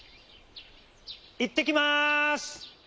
「いってきます！」。